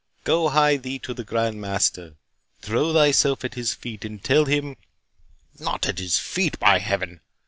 Go hie thee to the Grand Master—throw thyself at his feet and tell him—" "Not at his feet, by Heaven!